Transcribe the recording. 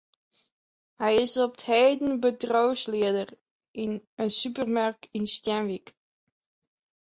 Hy is op 't heden bedriuwslieder yn in supermerk yn Stienwyk.